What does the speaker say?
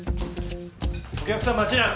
お客さん待ちな！